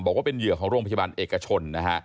บอกว่าเป็นเหยื่อของโรงพยาบาลเอกชนนะฮะ